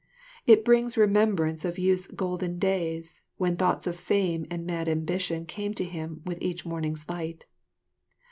It brings remembrance of youth's golden days when thoughts of fame and mad ambition came to him with each morning's light.